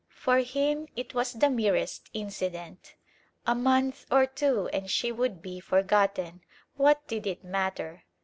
For him it was the merest incident. A month or two and she would be forgotten. What did it matter?